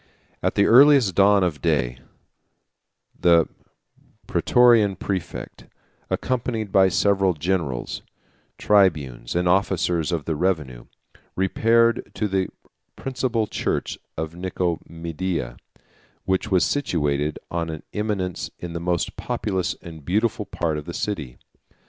At the earliest dawn of day, the Prætorian præfect, 150 accompanied by several generals, tribunes, and officers of the revenue, repaired to the principal church of Nicomedia, which was situated on an eminence in the most populous and beautiful part of the city.